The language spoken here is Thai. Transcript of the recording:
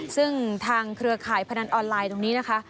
ซึ่งทางเครือข่ายพนันออนไลน์ตรงนี้นะคะ